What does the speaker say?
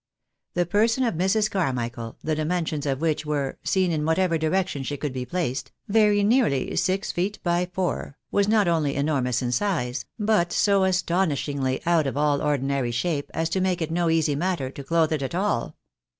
The person of Mrs. Carmichael, the dimensions of which were, seen in whatever direction she could be placed, very nearly six feet by four, was not only enormous in size, but so astonishingly out of all ordinary shape, as to make it no easy matter to clothe it at all.